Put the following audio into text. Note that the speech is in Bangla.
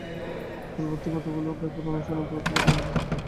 পূর্ববর্তী কতকগুলি ব্যাপার অনুসারেই পরবর্তী কতকগুলি ব্যাপার ঘটিয়া থাকে।